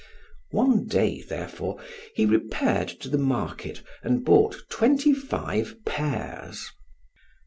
One day, therefore, he repaired to the market and bought twenty five pears.